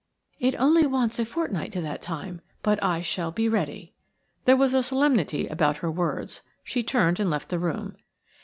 "It only wants a fortnight to that time, but I shall be ready." There was a solemnity about her words. She turned and left the room.